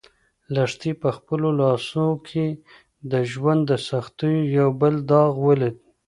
لښتې په خپلو لاسو کې د ژوند د سختیو یو بل داغ ولید.